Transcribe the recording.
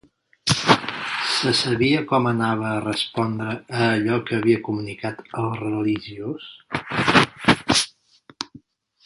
Se sabia com anava a respondre a allò que havia comunicat el religiós?